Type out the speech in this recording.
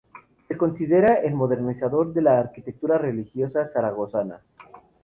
Se considera el modernizador de la arquitectura religiosa zaragozana.